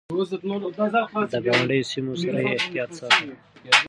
د ګاونډيو سيمو سره يې احتياط ساته.